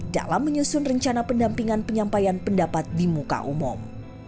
dalam menyusun rencana pendampingan penyampaian pendapat di muka umum